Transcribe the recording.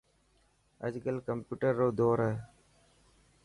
اڄ ڪل ڪمپيوٽر رو دور هي.